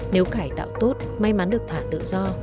nếu cải tạo tốt may mắn được thả tự do